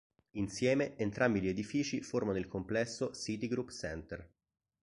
Insieme, entrambi gli edifici formano il complesso "Citigroup Centre".